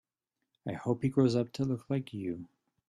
I hope he grows up to look like you.